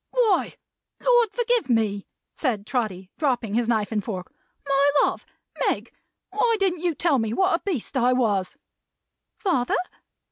"Why, Lord forgive me!" said Trotty, dropping his knife and fork. "My love! Meg! why didn't you tell me what a beast I was?" "Father?"